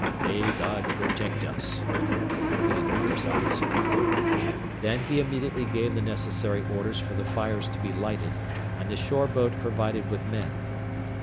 "May God protect us!" repeated the first officer. Then he immediately gave the necessary orders for the fires to be lighted, and the shore boat provided with men.